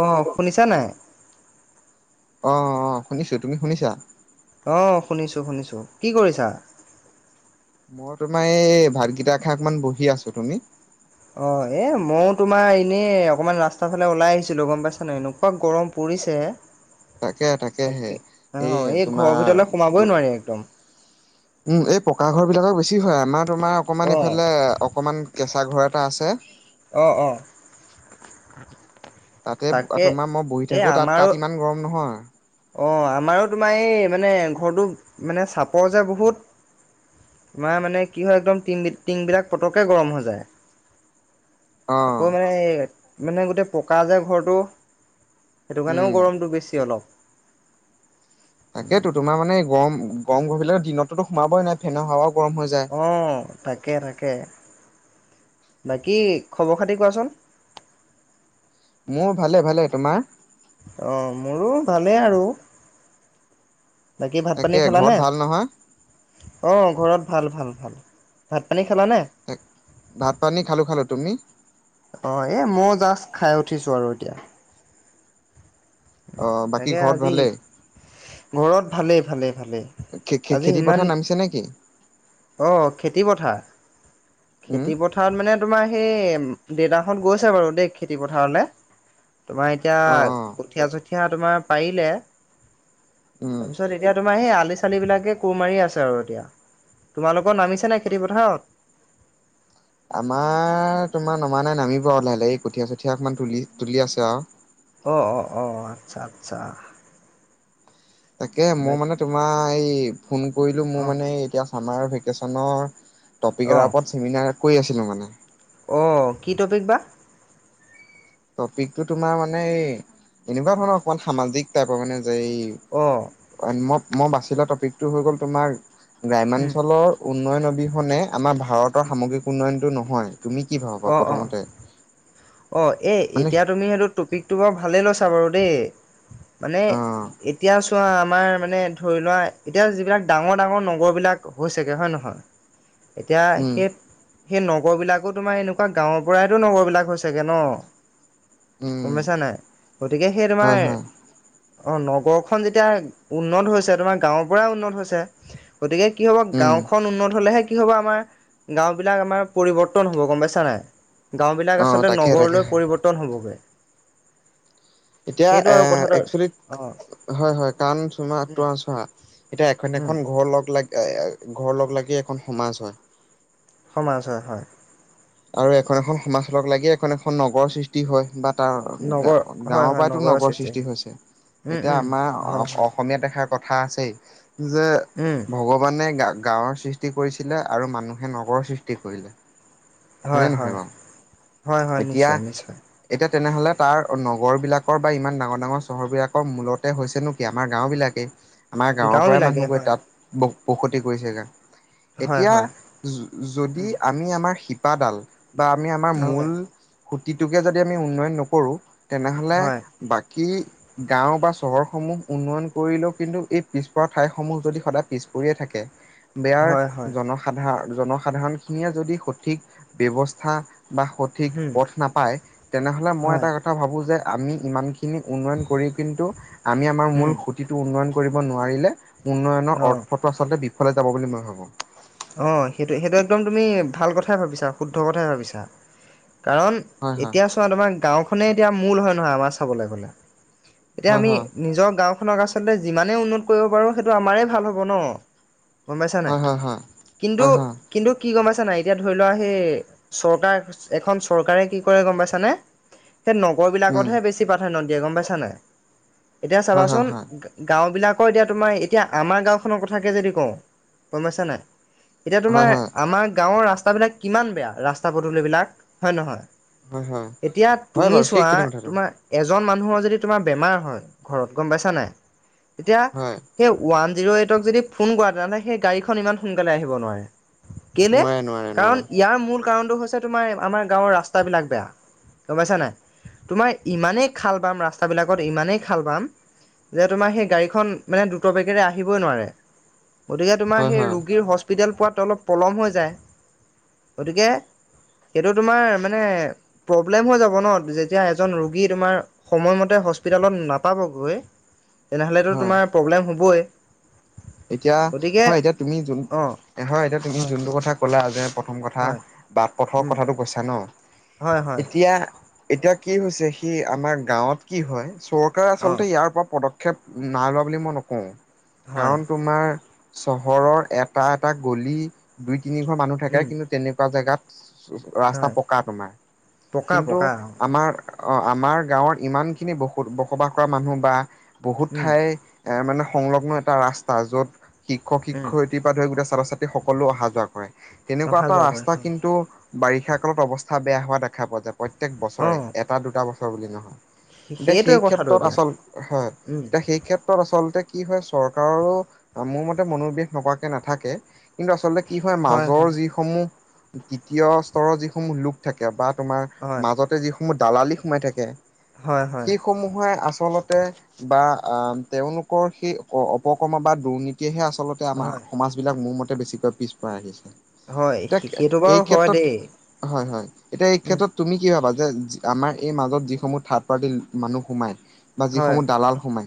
অ শুনিছা নাই? অ অ শুনিছো। তুমি শুনিছা? অঁ শুনিছোঁ শুনিছোঁ। কি কৰিছা? মই তোমাৰ এই ভাতকেইটা খাই অকমান বহি আছো, তুমি? অ এ মইও তোমাৰ এনেই অকমান ৰাস্তাৰ ফালে ওলাই আহিছিলো গম পাইছা নাই। এনেকুৱা গৰম পৰিছে তাকে অ এই ঘৰৰ ভিতৰলৈ সোমাবই নোৱাৰি একদম। উম এই পকা ঘৰ বিলাকৰ বেছি হয়। আমাৰ তোমাৰ অকমান অ' এইফালে অকমান কেঁচা ঘৰ এটা আছে অ অ। তাতে তাকে তোমাৰ মই বহি এই থাকো তাত আমাৰো তাত ইমান গৰম নহয়। অ আমাৰো তোমাৰ এই মানে ঘৰটো মানে চাপৰ যে বহুত। তোমাৰ মানে কি হয় একদম ট টিং বিলাক পতকে গৰম হৈ যায়। অ আকৌ মানে মানে গোটেই পকা যে ঘৰটো সেইটো উম কাৰণেও গৰমটো বেছি অলপ। তাকেতো তোমাৰ মানে গৰম গৰম গৰহিল দিনতো সোমাবই নাই ফেনৰ হাৱাও গৰম হৈ যায়। অ তাকে তাকে। বাকী খবৰ খাতি কোৱাচোন। মোৰ ভালে ভালে। তোমাৰ? অ মোৰো ভালেই আৰু। বাকী ভাত পানী তাকে ঘৰত খালানে? ভাল নহয় অ ঘৰত ভাল ভাল ভাল। ভাত পানী খালানে? ভাত পানী খালোঁ খালোঁ। তুমি? অ এ মই জাষ্ট খাই উঠিছো আৰু এতিয়া। অ বাকী তাকে ঘৰত আজি ভালেই ঘৰত ভালেই ভালে ভালে। খে-খে-খেতি পথাৰ নামিছে নেকি? অ খেতি পথাৰ উম খেতি প পথাৰত মানে তোমাৰ সেই দেউতাহঁত গৈছে বাৰু দেই খেতি পথাৰলৈ, তোমাৰ এতিয়া অ অ কঠীয়া-চঠীয়া তোমাৰ পাৰিলে, উম তাৰপিছত এতিয়া তোমাৰ সেই আলি চালিবিলাকে কোৰ মাৰি আছে আৰু এতিয়া। তোমালোকৰ নামিছেনে খেতিপথাৰত? আমাৰ তোমাৰ নমা নাই নামিব আৰু লাহে লাহী কঠীয়া-চঠীয়া অকণমান তুলি তুলি আছে আৰু। অ অ অ আচ্ছা আচ্ছা। তাকে মই বাক মানে তোমাৰ এই ফোন কৰিলো মোৰ অঁ মানে এতিয়া চামাৰ ভেকেচনৰ টপিক এটাৰ ওপৰত চেমিনাৰ কৰি আছিলোঁ মানে অ কি টপিক বা? টপিকটো তোমাৰ মানে এই এনেকুৱা ধৰণৰ অকণমান সামাজিক টাইপৰ মানে যে এই অঁ মই মই বাছি লোৱা টপিকটো হৈ গ'ল তোমাৰ গ্ৰাম্যাঞ্চলৰ উন্নয়ন অবিহনে আমাৰ ভাৰতৰ সামগ্ৰিক উন্নয়নটো নহয় তুমি কি ভাবা অঁ অঁ প্ৰথমতে অঁ এই মানে এতিয়া তুমি সেইটো টপিকটো বাৰু ভালেই লৈছা বাৰু দেই মানে অ এতিয়া চোৱা আমাৰ মানে ধৰি লোৱা এতিয়া যিবিলাক ডাঙৰ ডাঙৰ নগৰ বিলাক হৈছেগে হয় নহয় এতিয়া উম সেই সেই নগৰবিলাকো তোমাৰ এনেকুৱা গাঁৱৰ পৰাইতো নগৰ বিলাক হৈছে ছেগে ন উম গম পাইছা নাই গতিকে সেই তোমাৰ হয় হয় অ নগৰখন যেতিয়া উন্নত হৈছে তোমাৰ গাঁৱৰ পৰাই উন্নত হৈছে গতিকে কি হ'ব উম গাঁওখন উন্নত হ'লেহে কি হ'ব আমাৰ গাও বিলাক আমাৰ পৰিৱৰ্তন হব গম পাইছা নাই গাও বিলাক অ আচলতে তাকে তাকে নগৰলৈ পৰিৱৰ্ তন হ'বগে এতিয়া এ আৰু কথাটো একচোলি অ হয় হয় কাৰণ চুমা উম তোমাৰ চোৱা এতিয়া এখন উম এখন ঘৰ লগ লাগি এ এ ঘৰ লগ লাগি এখন সমাজ হয় সমাজ হয় হয় আৰু এখন এখন সমাজ লগ লাগি এখন এখন নগৰ সৃষ্টি হয় বা গাও নগৰ গাও হয় গাঁৱৰ হয় পৰাইতো নগৰৰ নগৰ সৃষ্টি হৈছে উম এতিয়া উম আমাৰ হয় অ হয় অসমীয়াত এষাৰ কথা আছেই যে উম ভগৱানে গা গাঁৱৰ সৃষ্টি কৰিছিলে আৰু মানুহে নগৰৰ সৃষ্টি কৰিলে হয়নে হয় নহয় হয় বাৰু হয় হয় এতিয়া নিশ্চয় নিশ্চয় এতিয়া তেনেহ'লে তাৰ নগৰবিলাকৰ বা ইমান ডাঙৰ ডাঙৰ চহৰবিলাকৰ মূলতে হৈছে নো কি আমাৰ গাঁওবিলাকেই আমাৰ গাঁৱৰ পৰাই গাঁওবিলাকে মানুহ গৈ হয় তাত ব বসতি কৰিছেগে হয় এতিয়া হয় য যদি উম আমি আমাৰ শিপ শিপাডাল বা আমি আমাৰ মূল হয় খুঁতিটোকে যদি আমি উন্নয়ন নকৰোঁ তেনেহ'লে হয় বাকী গাঁও বা চহৰসমূহ উন্নয়ন কৰিলেও কিন্তু এই পিছপৰা ঠাইসমূহ যদি সদায় পিছ পৰিয়ে থাকে হয় বেয়াৰ হয় জনসাধাৰ জনসাধাৰণ খিনিয়ে যদি সঠিক ব্যৱস্থা বা সঠিক উম পথ নাপায় তেনেহলে মই হয় এটা কথ কথা ভাবো যে আমি ইমানখিনি উন্নয়ন কৰি কিন্তু আমি আমাৰ মুল উম সুত সুতিটো উন্নয়ন কৰিব নোৱাৰিলে উন্নয়নৰ অ অৰ্থটো আচলতে বিফলে যাব বুলি মই ভাবো অঁ সেইটোৱে সেইটো একদম তুমি ভাল কথাই ভাবিছা শুদ্ধ কথাই ভাবিছা কাৰণ হয় হয় এতিয়া চোৱা তোমাৰ গাঁওখনে এতিয়া মূল হয় নহয় আমাৰ চাবলৈ গলে এতিয়া হয় আমি নিজৰ গাঁওখনক আচলতে যিমানেই উন্নত কৰিব পাৰোঁ সেইটো আমাৰেই ভাল হ'ব ন গম পাইছা নাই হয় হয় হয় কিন্তু হয় কিন্তু কি গম পাইছা নাই এতিয়া ধৰি লোৱা সে চৰকাৰ এখন চৰকাৰে কি কৰে গম পাইছানে সেই উম নগৰবিলাকতহে বেছি প্ৰধান্য দিয়ে গম পাইছ নাই এতিয়া হয় হয় চাবাচোন হয় গাঁওবিলাকৰ এতিয়া তোমাৰ এতিয়া আমাৰ গাঁওখনৰ কথাকে যদি কওঁ গম পাইছা নাই এতিয়া হয় তোমাৰ হয় আমাৰ গাঁওৰ ৰাস্তাবিলাক কিমান বেয়া ৰাস্তা পদূলিবিলাক হয় নহয় হয় হয় এতিয়া হয় তুমি বাৰু চোৱা সেইখিনি কথাটো তোমাৰ এজন মানুহৰ যদি তোমাৰ বেমাৰ হয় ঘৰত গম পাইছা নাই তেতিয়া হয় সেই ওৱান জিৰ' এইটক যদি ফোন কৰা তেনেহ'লে সেই গাড়ীখন ইমান সোনকালে আহিব নোৱাৰে কেলে! নোৱাৰে নোৱাৰে নোৱাৰে কাৰণ, ইয়াৰ মূল কাৰণটো হৈছে তোমাৰ আমাৰ গাঁৱৰ ৰাস্তাবিলাক বেয়া গম পাইছা নাই? তোমাৰ ইমানেই খাল বাম ৰাস্তাবিলাকত? ইমানেই খাল বাম! যে তোমাৰ সেই গাড়ীখন দ্ৰুত বেগৰে আহিবই নোৱাৰে, গতিকে তোমাৰ হয় সেই হয় ৰু হস্পিতেল পোৱাটো অলপ পলম হৈ যায়। গতিকে এইটো তোমাৰ মানে প্ৰব্লেম হৈ যাব ন! যেতিয়া এজন ৰোগী তোমাৰ সময়মতে হস্পিটেলত নাপাবগৈ, তেনেহ'লেতো হয় তোমাৰ প্ৰব্লেম হ'বই! এতিয়া, গতিকে হয়, এতিয়া তুমি য অঁ হয়, এতিয়া তুমি যোনটো কথা ক'লা যে প্ৰথম কথা হয় বা পথৰ হয় কথাটো কৈছা ন, হয় হয় এতিয়া এতিয়া কি হৈছে, সেই আমাৰ গাঁৱত কি হয়? চৰকাৰে অঁ আচলতে ইয়াৰ ওপৰত পদক্ষেপ নাই লোৱা বুলি মই নকওঁ। হয় কাৰণ তোমাৰ চহৰৰ এটা-এটা গলি দুই-তিনি ঘৰ মানুহ থাকে, উম কিন্তু, তেনেকুৱা জেগাত ৰাস্তা হয় পকা তোমাৰ। পকা কিন্তু পকা আমাৰ অ', আমাৰ গাঁৱৰ ইমানখিনি বসু বসবাস কৰা মানুহ বা বহুত অঁ উম ঠাই এ, মানে সংলগ্ন এটা ৰাস্তা, য'ত শিক্ষক- উম শিক্ষয়ত্ৰী [unintelligible] গোটেই ছাত্ৰ-ছাত্ৰী অহা-যোৱা কৰে, তেনেকুৱা অহা এটা যোৱা কৰে ৰাস্তা হয় কিন্তু বাৰিষা কালত অৱস্থা বেয়া হোৱা দেখা পোৱা যায়, প্ৰত্যেক বছৰে, অঁ এটা-দুটা বছৰ বুলি নহয়। তে সেইটোৱে সেই কথাটো ক্ষেত্ৰত এতিয়া আচল, হয়, উম এতিয়া সেই ক্ষেত্ৰ ত আচলতে কি হয়, চৰকাৰৰো মোৰ মতে মনোনিৱেশ নকৰাকে নাথাকে! কিন্তু, আচলতে কি হয়, মাজৰ যিসমূহ দ্বিতীয় স্তৰৰ যিসমূহ লোক থাকে, বা তোমাৰ হয় মাজতে যিসমূহ দালালি সোমাই থাকে হয়, হয়। সমূহে আচলতে বা তেওঁলোকৰ সেই অপকৰ্ম বা দুৰ্নীতিয়েহে আচলতে আমাৰ হয় সমাজ বিলাক মোৰ মতে বেছিকৈ পিছপৰাই দিছে। হয় এতিয়া সেইটো এই বাৰু হয় ক্ষেত্ৰত দেই হয়, হয়, এতিয়া এই উম ক্ষেত্ৰত তুমি কি ভাবা! যে আমাৰ এই মাজত যিসমূহ থাৰ্ড পাৰ্টিৰ মানুহ সোমাই বা হয় যিসমূহ দালাল সোমাই,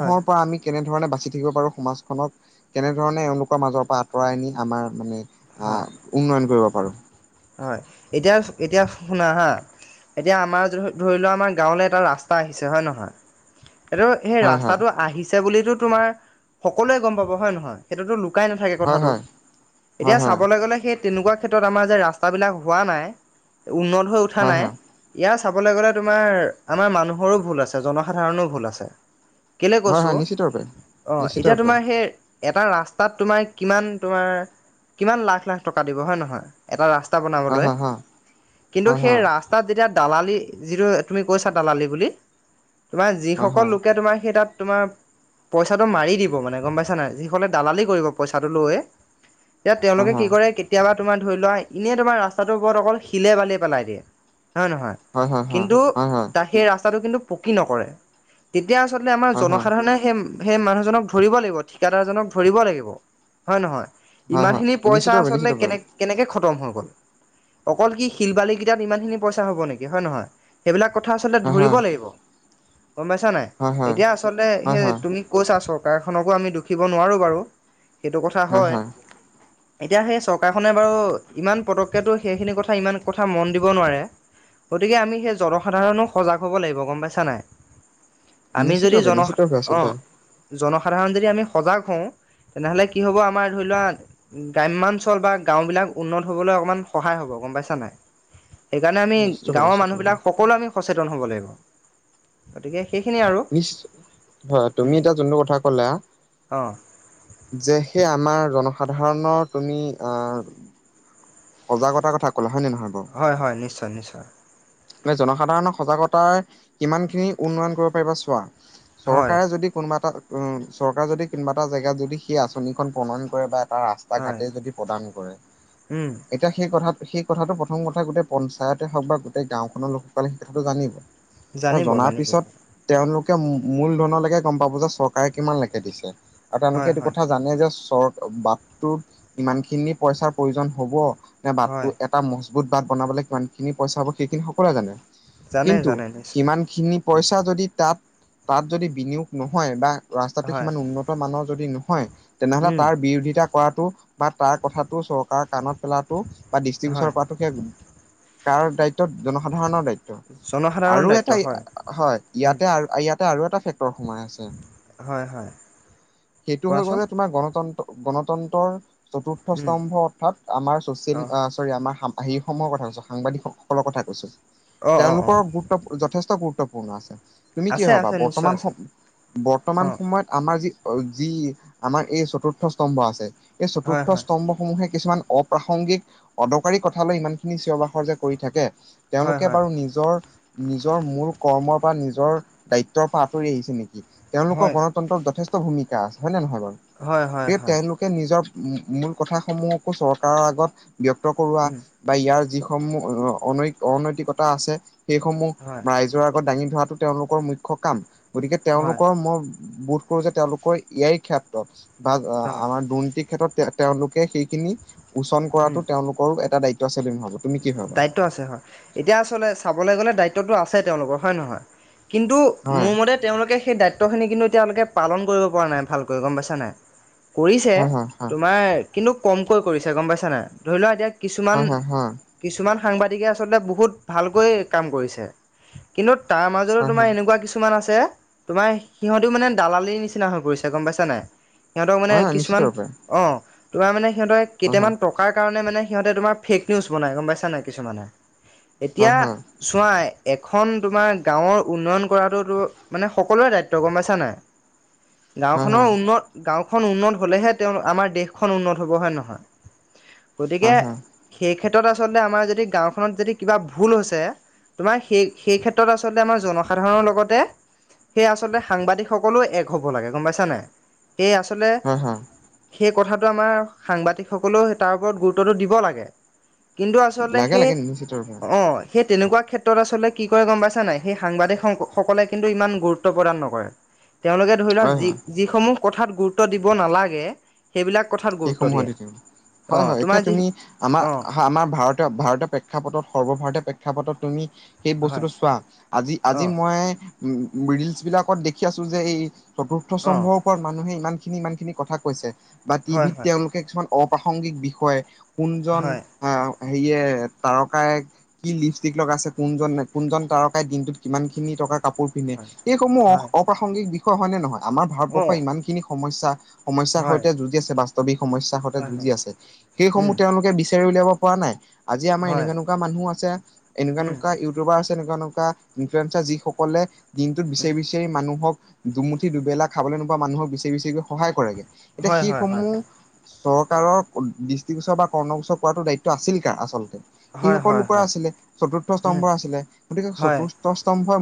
হয় পৰা আমি কেনেধৰণে বাচি থাকিব পাৰোঁ! সমাজখনক কেনেধৰণে এওঁলোকৰ মাজৰ পৰা আঁতৰাই নি আমাৰ মানে হয় আ', উন্নয়ন কৰিব পাৰোঁ। হয়। এতিয়া, এতিয়া শুনা হা! এতিয়া আমাৰ ধৰি লোৱা, আমাৰ গাঁৱলে এটা ৰাস্তা আহিছেঁ, হয় নে নহয়! এইটো সেই হয় হয় ৰাস্তাটো আহিছে বুলিতো তোমাৰ সকলোৱে গম পাব, হয় নে নহয়! সেইটোতো লুকাই নাথাকে হয় কথাটো, হয় হয় এতিয়া হয় চাবলৈ গ'লে, সেই তেনেকুৱা ক্ষেত্ৰত আমাৰ যে ৰা স্তাবিলাক হোৱা নাই, উন্নত হৈ উঠা হয় নাই হয় এয়া চাবলৈ গ'লে তোমাৰ, আমাৰ মানুহৰো ভুল আছেঁ, জনসাধাৰণো ভুল আছেঁ। কেলৈ হয় কৈছোঁ! হয় নিশ্চিত ৰূপে অ', নিশ্চিত এতিয়া ৰূপে তোমাৰ সেই এটা ৰাস্তাত তোমাৰ, কিমান তোমাৰ কিমান লাখ-লাখ টকা দিব হয় নহয়! এটা ৰাস্তা ৰাস্তা হয় বনাবলৈ, হয় হয় কিন্তু হয় সেই ৰাস্তা তাত যেতিয়া দালালি, যিটো তুমি কৈছা দালালি বুলি! তোমাৰ হয় হয় যিসকল হয় লোকে, তোমাৰ সেই তাত তোমাৰ পইচাটো মাৰি দিব মানে গম পাইছা নাই! যিসকলে দালালি কৰিব পইচাটো লৈ। এতিয়া হয় হয় তেওঁলোকে কি কৰে, হয় কেতিয়াবা তোমাৰ ধৰি লোৱা এনেই তোমাৰ ৰাস্তাটোৰ ওপৰত অকল শিলে-বালিয় পেলাই দিয়ে, হয় নহয়! হয় কিন্তু হয় হয় হয় তাকে সেই ৰাস্তাটো কিন্তু পকী নকৰে। তেতিয়া আচলতে আমাৰ হয় হয় জনসাধাৰণে সেই, সেই মানুহজনক ধৰিব লাগিব, ঠিকাদাৰজনক ধৰিব লাগিব। হয় নহয়? হয় ইমান হয় খিনি পইচা নিশ্চিতভাৱে আচলতে নিশ্চিতভাৱে কেনেক কেনেকে খতম হৈ গ'ল, অকল কি শিল বালি কেইটাত ইমান খিনি পইচা হব নেকি হয় নহয়? সেইবিলাক কথা আচলতে হয় ধৰিব হয় লাগিব গম পাইছা নাই হয় এতিয়া আচলতে হয় হয় সেই হয় তুমি কৈছা চৰকাৰখনকো আমি দুখিব নোৱাৰো বাৰু সেইটো কথা হয় এতিয়া সেই চৰকাৰখনে বাৰু ইমান পতককেতো সেইখিনি কথা ইমান কথা মন দিব নোৱাৰে। গতিকে আমি সেই জনসাধাৰণো সজাগ হ'ব লাগিব গম পাইছা নাই আমি নিশ্চিত যদি ৰূপে জন নিশ্চিত ৰূপে অ আচলতে জনসাধাৰণ যদি আমি সজাগ হও তেনেহ'লে কি হ'ব আমাৰ ধৰি লোৱা গ্ৰাম্যাঞ্চল বা গাঁওবিলাক উন্নত হ'বলৈ অকণমান সহায় হ'ব গম পাইছা নাই সেইকাৰণে আমি নিশ্চিত ৰূপে গাঁৱৰ নিশ্চিত ৰূপে মানুহবিলাক সকলো আমি সচেতন হ'ব লাগিব গতিকে সেইখিনিয়ে আৰু নিশ্চয় হয় তুমি এতিয়া যোনটো কথা ক'লা অ যে সেই আমাৰ জনসাধাৰণৰ তুমি অ সজাগতা ক'থা কলা হয় নহয় বাৰু হয় হয় নিশ্চয় নিশ্চয় মানে জনসাধাৰণক সজাগতাৰ কিমান খিনি উন্নয়ন কৰিব পাৰিবা চোৱা হয় চৰকাৰে যদি কোনোবা এটা উম চৰকাৰে যদি কোনোবা এটা জেগাত যদি সেই আঁচনিখন প্ৰণয়ন কৰে বা এটা ৰাস্তা বা হয় ঘাটে যদি প্ৰদান কৰে উম এতিয়া সেই কথা সেই কথাটো প্ৰথম কথা গোটেই পঞ্চায়তে হওক বা গোটেই গাঁওখনৰ লোকসকলে সেই কথাটো জানিব। অ জানিব জনাৰ জানিব পিছত তেওঁলোকে মূল ধনলৈকে গম পাব যে চৰকাৰে কিমান লেকে দিছে আৰু তেওঁলোকে হয় এইটো হয় কথা জানে যে চৰ বাটটোত ইমান খিনি পইচাৰ প্ৰয়োজন হ'ব নে হয় বাটটো এ এটা মজবুত বাট বনাবলৈ কিমান খিনি পইছা হ'ব সেইখিনি সকলোৱে জানে। জানে কিন্তু জানে নিশ্চয় সিমানখিনি উম পইচা যদি তাত তাত যদি বিনিয়োগ নহয় বা ৰাস্তাটো হয় সিমান উন্নত মানৰ যদি নহয় তেনেহলে উম তাৰ বিৰোধিতা কৰাতো বা তাৰ কথাটো চৰকাৰৰ কাণত পেলাতো বা দৃষ্টিগোচৰ হয় কৰাতো সেয়া কাৰ দায়িত্ব জনসাধাৰণৰ দায়িত্ব জনসাধাৰণৰ আৰু দায়িত্ব এটা হয় হয় উম ইয়াতে আৰু ইয়াতে আৰু এটা ফেক্টৰ সোমাই আছে হয় হয় সেইটো হৈ গ'ল কোৱাচোন যে তোমাৰ গণতন্ত্ৰ গণতন্ত্ৰৰ চতুৰ্থ উম স্তম্ভ অৰ্থাৎ আমাৰ চচিয়েল অঁ বা চৰি আমাৰ সেই সমূহৰ কথা কৈছো সাংবাদিক সকলৰ কথা কৈছো অঁ অঁ তেওঁলোকৰ অঁ গো চব যথেষ্ট গুৰুত্বপূৰ্ণ আছে তুমি কি আছে ভবা আছে নিশ্চয় বৰ্তমান আছে সম বৰ্তমান অঁ সময়ত আমাৰ যি যি আমাৰ এই চতুৰ্থ স্তম্ভ আছে এই হয় চতুৰ্থ হয় স্তম্ভসমূহে কিছুমান অপ্ৰাসংগিক অদৰকাৰী কথালৈ ইমানখিনি চিঞৰ বাখৰ যে কৰি থাকে হয় তেওঁলোকে বাৰু নিজ নিজৰ নিজৰ মূল কৰ্মৰ বা নিজৰ দ্বায়িত্বৰ পৰা আঁতৰি আহিছো নেকি তেওঁলোকৰ হয় গণতন্ত্ৰত যথেষ্ট ভূমিকা আছে হয় নে নহয় বাৰু হয় হয় হয় গতিকে হয় তেওঁলো কে নিজৰ মূল কথা সমূহকো চৰকাৰৰ আগত ব্যক্ত কৰোৱা উম বা ইয়াৰ যিসমূহ অনৈ অনৈতিকতা আছে সেইসমূহ হয় ৰাইজ ৰ আগত দাঙি ধৰাটো তেওঁলোকৰ মুখ্য কাম গতিকে হয় তেওঁলোকৰ মই বুথ কৰো যে তেওঁলোকৰ ইয়াৰ ক্ষেত্ৰত বা হয় আমাৰ দুৰ্নীতিৰ ক্ষেত্ৰত তেওঁলোকে সেইখিনি সুচন উম কৰাতো তেওঁলোকৰো এটা দায়িত্ব আছে বুলি মই ভাবো তুমি কি ভাবা দায়িত্ব আছে হয় এতিয়া আচলতে চাবলৈ গ'লে দায়িত্বটো আছে তেওঁলোকৰ হয় নহয় কিন্তু হয় মোৰ মতে তেওঁলোকে সেই দায়িত্বখিনি কিন্তু এতিয়ালৈকে পালন কৰিব পৰা নাই ভালকৈ গম পাইছা নাই? কৰিছে, হয় হয় তোমাৰ কিন্তু কমকৈ কৰিছে গম পাইছা নাই, ধৰি লোৱা এতিয়া হয় কিছুমান। হয় হয় হয় কিছুমান সাংবাদিকে আচলতে বহুত ভালকৈ কাম কৰিছে। কিন্তু তাৰ মাজতো তোমাৰ হয় এনেকুৱা কিছুমান আছে। তোমাৰ সিহঁতেও মানে দালালিৰ নিচিনা হৈ পৰিছে গম পাইছা নে সিহঁতক মানে হয় হয় নিশ্চিত কিছুমান। ৰূপে অ তোমাৰ মানে সিহঁতে হয় হয় কেইটামান টকাৰ কাৰণে মানে সিহঁতে তোমাৰ ফেক নিউজ। বনাই গম পাইছা নাই, কিছুমানে হয় এতিয়া। হয় চোৱা এখন তোমাৰ গাঁৱৰ উন্নয়ন কৰাটোতো মানে সকলোৰে দায়িত্ব গম পাইছা নাই? হয় গাঁওখনৰ উন্নত। গাঁওখন উন্নত হ'লেহে তেওঁ আমাৰ দেশখন উন্নত হ'ব হয় নহয় হয় গতিকে। হয় সেই ক্ষেত্ৰত আচলতে আমাৰ যদি গাঁওখনত যদি কিবা ভুল হৈছে। তোমাৰ সেই সেই ক্ষেত্ৰত আচলতে আমাৰ জনসাধাৰণৰ লগতে। সেই আচলতে সাংবাদিকসকলেও এক হ'ব লাগে গম পাইছা নাই, সেয়ে আচলতে। হয় হয় সেই কথাটো আমাৰ সাংবাদিক সকলেও তাৰ ওপৰত গুৰুত্বটো দিব লাগে। কিন্তু আচলতে লাগে সেই লাগে নিশ্চিত ৰূপে অ'। সেই তেনেকুৱা ক্ষেত্ৰত আচলতে কি কৰে গম পাইছে নাই, সেই সাংবাদিক সকলে কিন্তু ইমান গুৰুত্ব প্ৰদান নকৰে। তেওঁলোকে ধৰি লওক হয় যি হয় যিসমূহ কথাত গুৰুত্ব দিব নালাগে। সেইবিলাক কথাত। গুৰুত্ব সেইসমূহত দিয়ে। দি, হয় অ' হয়, তোমাৰ এতিয়া যি তুমি আমাৰ অ' আমাৰ ভাৰত। ভাৰতীয় প্ৰেক্ষাপটত সৰ্বভাৰতীয় প্ৰেক্ষাপটত তুমি। সেই হয় বস্তুটো চোৱা আজি আজি অ' মই ৰিলচ বিলাকত দেখি আছো যে এই। চতুৰ্থ অ' স্তম্ভৰ ওপৰত মানুহে ইমান খিনি ইমান খিনি কথা কৈছে বা হয় টিভিত হয় তেওঁলোক। কিছুমান অপ্ৰাসংগিক বিষয় কোনজন হয় আহ হেৰিয়ে তাৰকায়ক। কি লিপষ্টিক লগা আছে? কোনজন কোনজন তাৰকাই দিনটোত কিমান খিনি টকা। কাপোৰ পিন্ধে, হয় এইসমূহ হয় অপ্ৰাসংগিক বিষয় হয় নে নহয়? আমাৰ অ' ভাৰতবৰ্ষই ইমান খিনি সমস্যা। সমস্যাৰ হয় সৈতে যুঁজি আছে, বাস্তৱিক সমস্যয়াৰ সৈতে হয় যুঁজি হয় আছে, উম সেইসমূহ তেওঁলোকে বিচাৰি উলিয়াব পৰা নাই। আজি আমাৰ হয় এনেকুৱা এনেুৱা মানহ আছে, এনেকুৱা উম এনেকোৱা ই। আছে এনেকুৱা এনেকুৱা ইনফ্লুৱেঞ্চাৰ যি সকলে দিনত উম বিচাৰি বিচাৰি। মানুহক দুমুঠি দুবেলা খাবলৈ নোবোৱা মানুহক বিচাৰি বিচাৰিকৈ সহায় কৰেগে হয় এতিয়া। হয় হয় সেইসমূহ চৰকাৰৰ দৃষ্টিগোচৰ বা কৰ্ণগোচৰ কৰাটো দায়িত্ব আছিল কাৰ আচলতে? হয় সেইসকল হয় লোকৰ হয় আছিলে, চতুৰ্থ উম স্তম্ভৰ আছিলে, গতিকে হয় চতুৰ্থ স্তম্ভই।